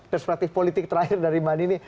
perspektif politik terakhir dari mbak nini